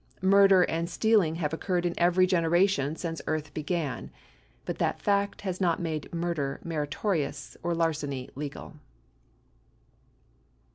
Murder and steal ing have occurred in every generation since Earth began, but that fact has not made murder meritorious or larceny legal.